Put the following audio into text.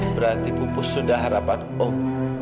berarti pupus sudah harapan om